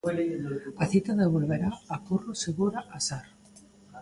A cita devolverá a Curro Segura a Sar.